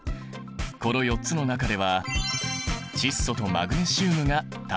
この４つの中では窒素とマグネシウムが単体だ。